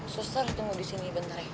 suster tunggu disini bentar ya